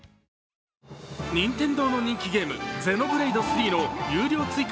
任天堂の人気ゲーム「Ｘｅｎｏｂｌａｄｅ３」の有料追加